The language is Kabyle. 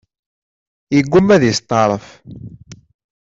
Yegguma ad yesteɛref.